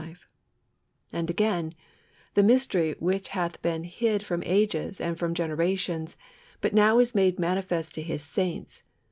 35); and again, "The mystery which hath been hid from ages and from generations, but now is made manifest to His saints